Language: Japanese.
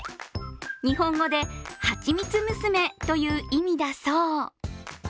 日本語で蜂蜜娘という意味だそう。